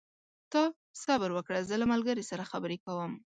ته صبر وکړه، زه له ملګري سره خبرې کوم.